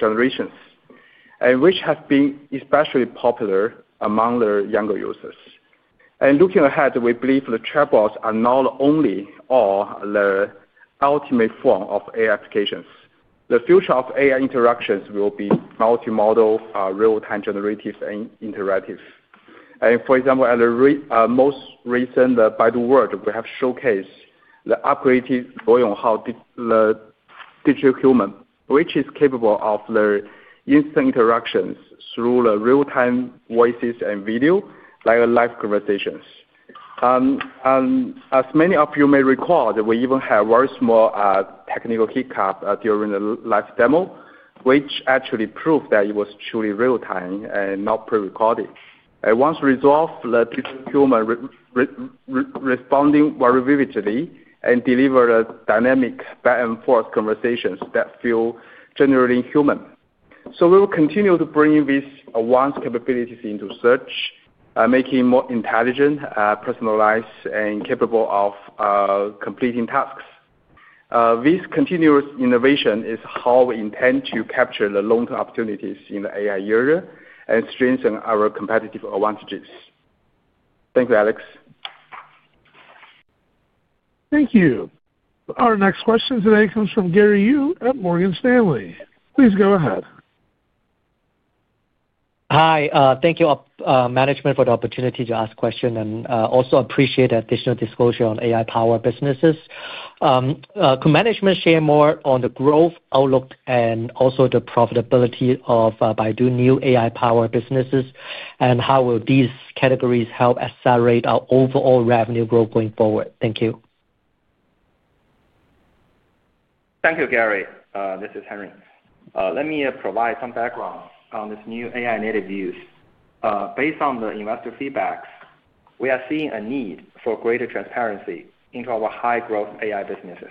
Speaker 6: generations, which have been especially popular among younger users. Looking ahead, we believe the chatbots are not only the ultimate form of AI applications. The future of AI interactions will be multimodal, real-time generative, and interactive. For example, at the most recent Baidu World, we have showcased the upgraded Bo Yonghao, the digital human, which is capable of instant interactions through real-time voices and video, like live conversations. As many of you may recall, we even had a very small technical hiccup during the live demo, which actually proved that it was truly real-time and not prerecorded. Once resolved, the digital human responded very vividly and delivered dynamic back-and-forth conversations that feel genuinely human. We will continue to bring these advanced capabilities into search, making it more intelligent, personalized, and capable of completing tasks. This continuous innovation is how we intend to capture the long-term opportunities in the AI area and strengthen our competitive advantages. Thank you, Alex.
Speaker 1: Thank you. Our next question today comes from Gary Yu at Morgan Stanley. Please go ahead.
Speaker 8: Hi. Thank you, management, for the opportunity to ask a question and also appreciate the additional disclosure on AI-powered businesses. Could management share more on the growth outlook and also the profitability of Baidu's new AI-powered businesses, and how will these categories help accelerate our overall revenue growth going forward? Thank you.
Speaker 9: Thank you, Gary. This is Henry. Let me provide some background on this new AI-native views. Based on the investor feedback, we are seeing a need for greater transparency into our high-growth AI businesses.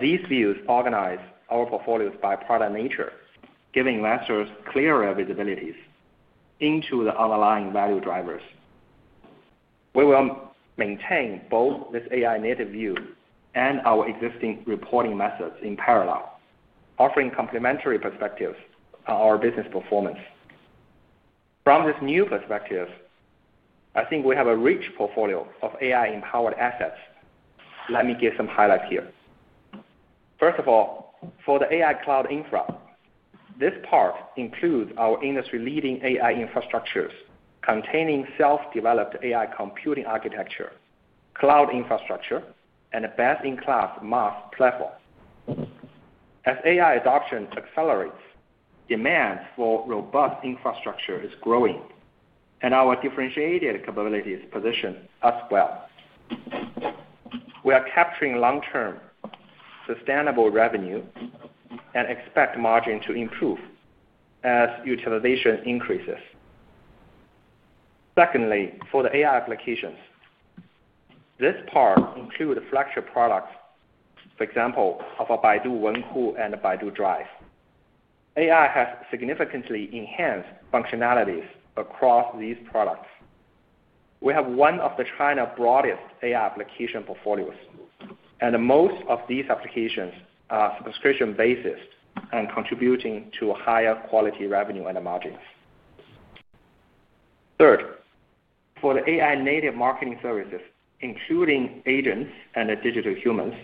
Speaker 9: These views organize our portfolios by product nature, giving investors clearer visibilities into the underlying value drivers. We will maintain both this AI-native view and our existing reporting methods in parallel, offering complementary perspectives on our business performance. From this new perspective, I think we have a rich portfolio of AI-empowered assets. Let me give some highlights here. First of all, for the AI Cloud infra, this part includes our industry-leading AI infrastructures containing self-developed AI computing architecture, cloud infrastructure, and a best-in-class MAS platform. As AI adoption accelerates, demand for robust infrastructure is growing, and our differentiated capabilities position us well. We are capturing long-term sustainable revenue and expect margin to improve as utilization increases. Secondly, for the AI applications, this part includes flagship products, for example, of Baidu Wenku and Baidu Drive. AI has significantly enhanced functionalities across these products. We have one of China's broadest AI application portfolios, and most of these applications are subscription-based and contributing to higher quality revenue and margins. Third, for the AI-native marketing services, including agents and digital humans,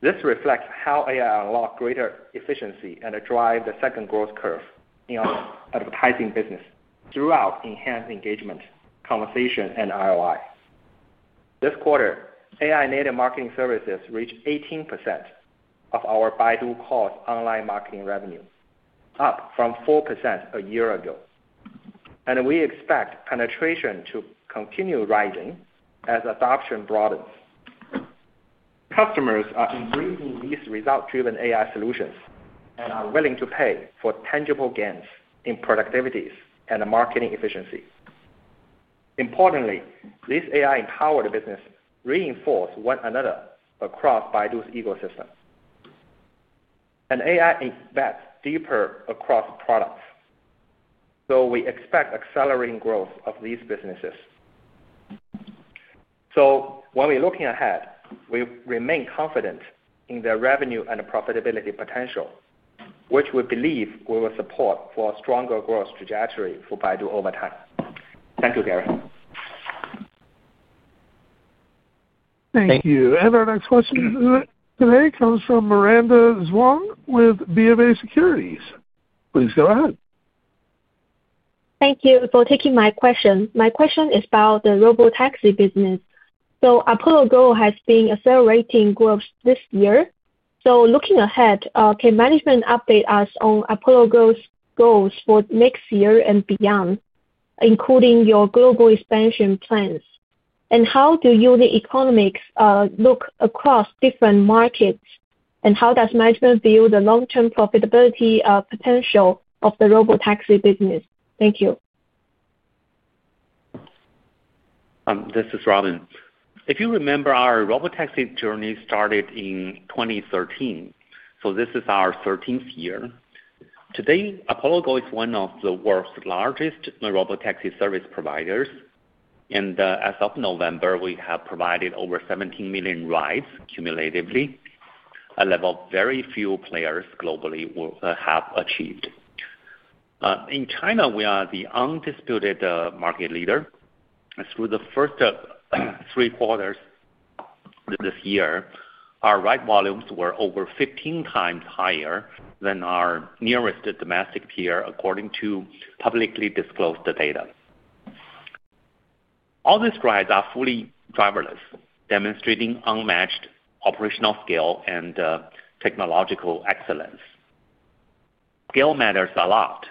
Speaker 9: this reflects how AI unlocks greater efficiency and drives the second growth curve in our advertising business throughout enhanced engagement, conversation, and ROI. This quarter, AI-native marketing services reached 18% of our Baidu-caused online marketing revenue, up from 4% a year ago. We expect penetration to continue rising as adoption broadens. Customers are embracing these result-driven AI solutions and are willing to pay for tangible gains in productivities and marketing efficiency. Importantly, this AI-empowered business reinforces one another across Baidu's ecosystem. AI invests deeper across products, so we expect accelerating growth of these businesses. When we're looking ahead, we remain confident in the revenue and profitability potential, which we believe will support a stronger growth trajectory for Baidu over time. Thank you, Gary.
Speaker 1: Thank you. Our next question today comes from Miranda Zhuang with BNP Paribas. Please go ahead.
Speaker 10: Thank you for taking my question. My question is about the robotaxi business. Apollo Go has been accelerating growth this year. Looking ahead, can management update us on Apollo Go's goals for next year and beyond, including your global expansion plans? How do unit economics look across different markets, and how does management view the long-term profitability potential of the robotaxi business? Thank you.
Speaker 3: This is Robin. If you remember, our robotaxi journey started in 2013, so this is our 13th year. Today, Apollo Go is one of the world's largest robotaxi service providers. As of November, we have provided over 17 million rides cumulatively, a level very few players globally have achieved. In China, we are the undisputed market leader. Through the first three quarters of this year, our ride volumes were over 15 times higher than our nearest domestic peer, according to publicly disclosed data. All these rides are fully driverless, demonstrating unmatched operational scale and technological excellence. Scale matters a lot.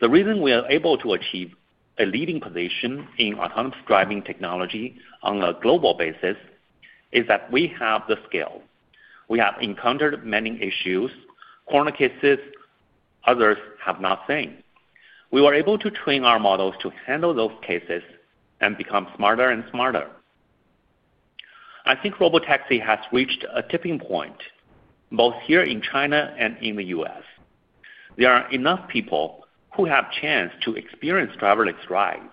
Speaker 3: The reason we are able to achieve a leading position in autonomous driving technology on a global basis is that we have the scale. We have encountered many issues, corner cases others have not seen. We were able to train our models to handle those cases and become smarter and smarter. I think robotaxi has reached a tipping point both here in China and in the U.S. There are enough people who have a chance to experience driverless rides,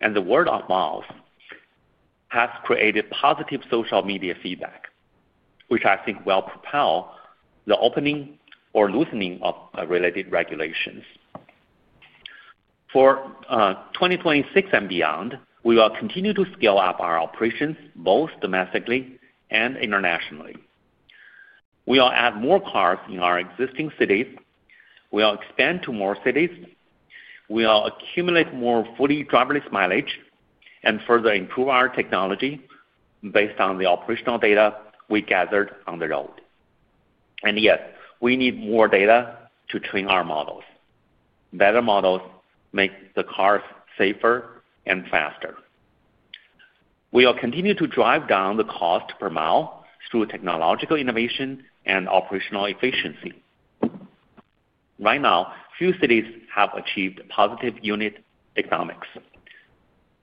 Speaker 3: and the word of mouth has created positive social media feedback, which I think will propel the opening or loosening of related regulations. For 2026 and beyond, we will continue to scale up our operations both domestically and internationally. We will add more cars in our existing cities. We will expand to more cities. We will accumulate more fully driverless mileage and further improve our technology based on the operational data we gathered on the road. Yes, we need more data to train our models. Better models make the cars safer and faster. We will continue to drive down the cost per mile through technological innovation and operational efficiency. Right now, few cities have achieved positive unit economics.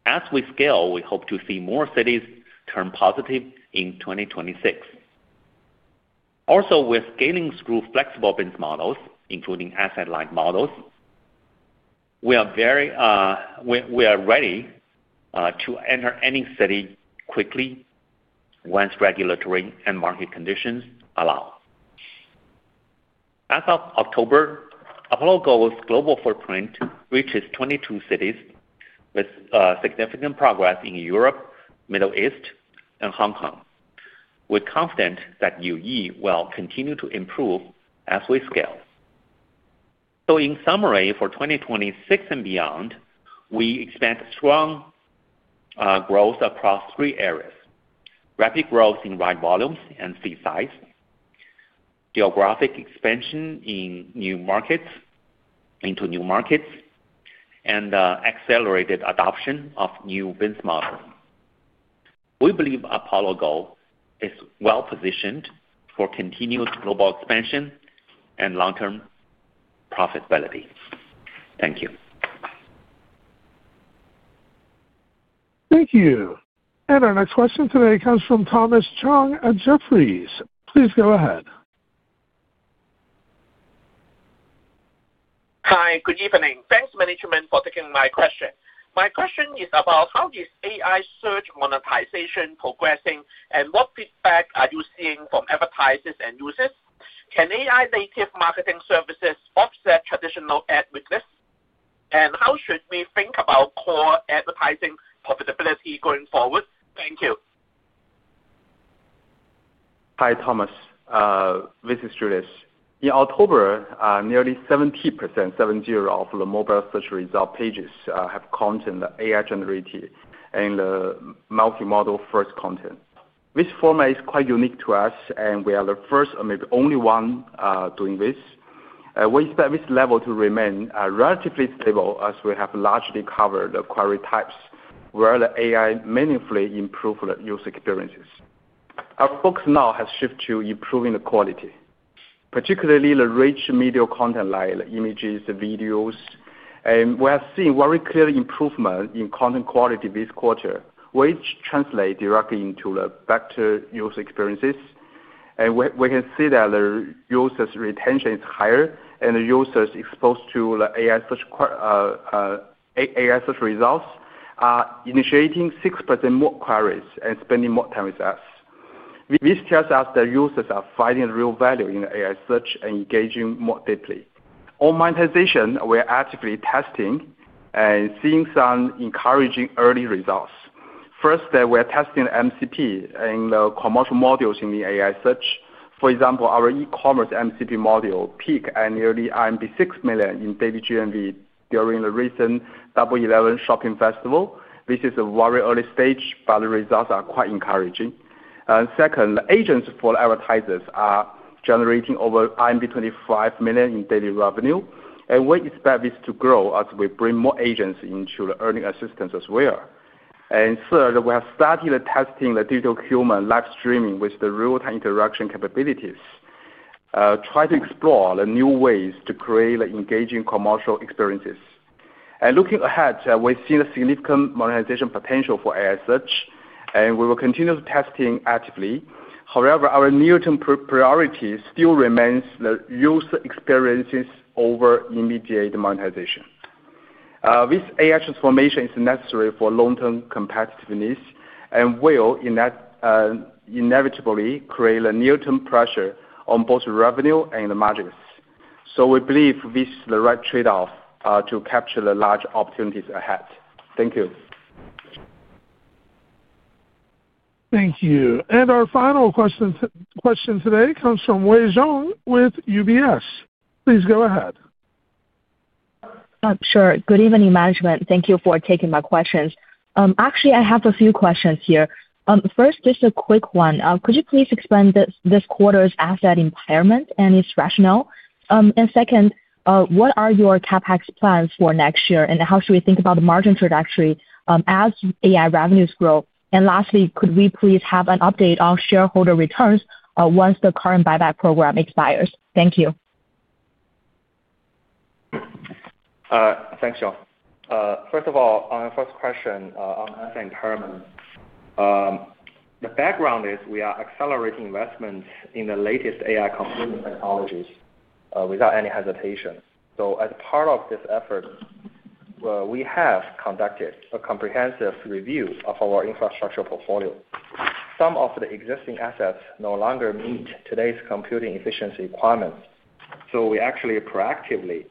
Speaker 3: As we scale, we hope to see more cities turn positive in 2026. Also, we're scaling through flexible business models, including asset-like models. We are ready to enter any city quickly once regulatory and market conditions allow. As of October, Apollo Go's global footprint reaches 22 cities with significant progress in Europe, the Middle East, and Hong Kong. We're confident that UE will continue to improve as we scale. In summary, for 2026 and beyond, we expect strong growth across three areas: rapid growth in ride volumes and seat size, geographic expansion into new markets, and accelerated adoption of new business models. We believe Apollo Go is well-positioned for continued global expansion and long-term profitability. Thank you.
Speaker 1: Thank you. Our next question today comes from Thomas Chong at Jefferies. Please go ahead.
Speaker 11: Hi. Good evening. Thanks, management, for taking my question. My question is about how is AI search monetization progressing, and what feedback are you seeing from advertisers and users? Can AI-native marketing services offset traditional ad weakness? How should we think about core advertising profitability going forward? Thank you.
Speaker 12: Hi, Thomas. This is Julius. In October, nearly 70% of the mobile search result pages have content that is AI-generated and multimodal-first content. This format is quite unique to us, and we are the first and maybe only one doing this. We expect this level to remain relatively stable as we have largely covered the query types where the AI meaningfully improved the user experiences. Our focus now has shifted to improving the quality, particularly the rich media content like images, videos. We have seen very clear improvements in content quality this quarter, which translates directly into better user experiences. We can see that the user's retention is higher, and the users exposed to the AI search results are initiating 6% more queries and spending more time with us. This tells us that users are finding real value in the AI search and engaging more deeply. On monetization, we are actively testing and seeing some encouraging early results. First, we are testing the MCP and the commercial models in the AI search. For example, our e-commerce MCP model, Peak, annually earned 6 million in daily GMV during the recent Double 11 Shopping Festival. This is a very early stage, but the results are quite encouraging. Second, the agents for advertisers are generating over 25 million in daily revenue, and we expect this to grow as we bring more agents into the earning assistance as well. Third, we have started testing the digital human live streaming with the real-time interaction capabilities, trying to explore the new ways to create engaging commercial experiences. Looking ahead, we've seen a significant monetization potential for AI search, and we will continue testing actively. However, our near-term priority still remains the user experiences over immediate monetization. This AI transformation is necessary for long-term competitiveness and will inevitably create a near-term pressure on both revenue and the margins. We believe this is the right trade-off to capture the large opportunities ahead. Thank you.
Speaker 1: Thank you. Our final question today comes from Wei Zhong with UBS. Please go ahead.
Speaker 13: Sure. Good evening, management. Thank you for taking my questions. Actually, I have a few questions here. First, just a quick one. Could you please explain this quarter's asset impairment and its rationale? Second, what are your CapEx plans for next year, and how should we think about the margin trajectory as AI revenues grow? Lastly, could we please have an update on shareholder returns once the current buyback program expires? Thank you.
Speaker 3: Thanks, Zhong. First of all, on our first question on asset impairment, the background is we are accelerating investments in the latest AI computing technologies without any hesitation. As part of this effort, we have conducted a comprehensive review of our infrastructure portfolio. Some of the existing assets no longer meet today's computing efficiency requirements, so we actually proactively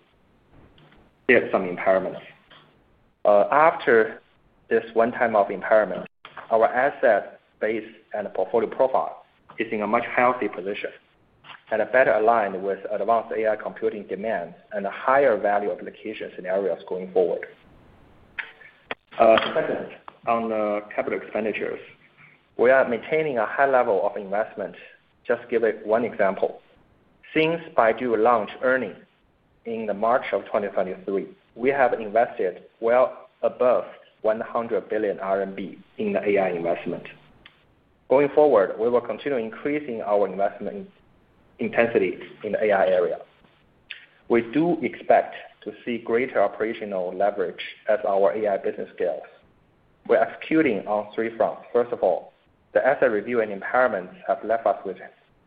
Speaker 3: did some impairments. After this one-time impairment, our asset base and portfolio profile is in a much healthier position and better aligned with advanced AI computing demands and higher value application scenarios going forward. Second, on capital expenditures, we are maintaining a high level of investment. Just to give one example, since Baidu launched earnings in March of 2023, we have invested well above RNB 100 billion in the AI investment. Going forward, we will continue increasing our investment intensity in the AI area. We do expect to see greater operational leverage as our AI business scales. We're executing on three fronts. First of all, the asset review and impairments have left us with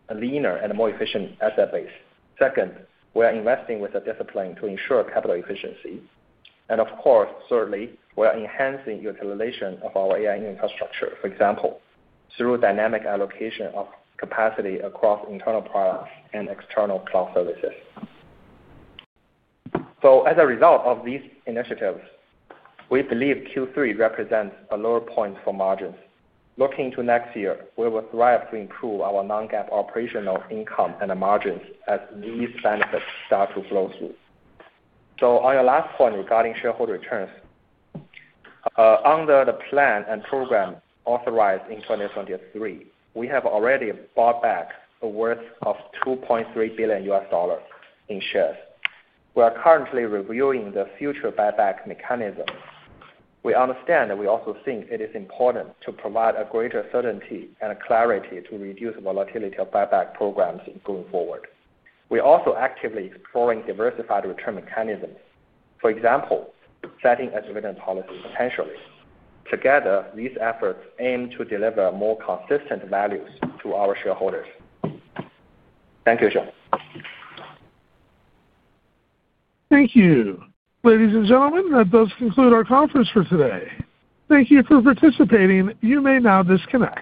Speaker 3: a leaner and more efficient asset base. Second, we are investing with a discipline to ensure capital efficiency. Of course, thirdly, we are enhancing utilization of our AI infrastructure, for example, through dynamic allocation of capacity across internal products and external cloud services. As a result of these initiatives, we believe Q3 represents a lower point for margins. Looking to next year, we will strive to improve our non-GAAP operational income and the margins as these benefits start to flow through. On your last point regarding shareholder returns, under the plan and program authorized in 2023, we have already bought back a worth of $2.3 billion in shares. We are currently reviewing the future buyback mechanisms. We understand that we also think it is important to provide a greater certainty and clarity to reduce the volatility of buyback programs going forward. We are also actively exploring diversified return mechanisms, for example, setting adjuvant policies potentially. Together, these efforts aim to deliver more consistent values to our shareholders. Thank you, Zhong. Thank you. Ladies and gentlemen, that does conclude our conference for today. Thank you for participating. You may now disconnect.